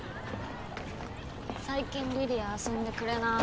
最近梨里杏遊んでくれない。